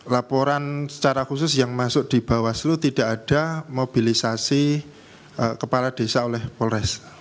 laporan secara khusus yang masuk di bawaslu tidak ada mobilisasi kepala desa oleh polres